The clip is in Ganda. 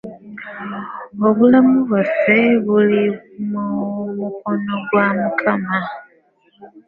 Obulamu bwaffe buli mu mukono gwa mukama.